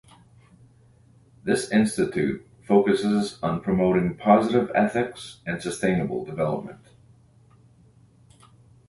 This institute focuses on promoting positive ethics and sustainable development.